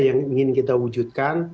yang ingin kita wujudkan